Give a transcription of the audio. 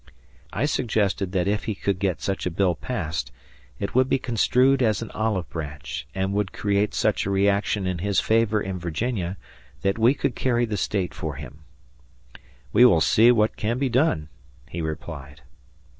I suggested that if he could get such a bill passed, it would be construed as an olive branch, and would create such a reaction in his favor in Virginia that we could carry the State for him. "We will see what can be done," he replied.